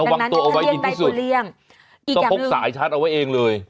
ดังนั้นให้เรียงได้ตัวเรียงอีกอย่างหนึ่งต้องพกสายชาร์จเอาไว้เองเลย